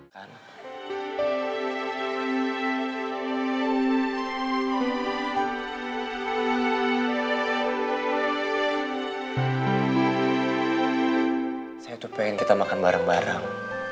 saya itu pengen kita makan bareng bareng